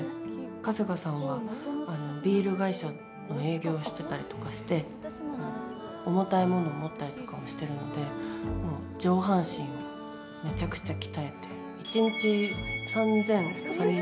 春日さんは、ビール会社の営業をしてたりとかして、重たいもの持ったりとかをしてるので上半身をめちゃくちゃ鍛えて。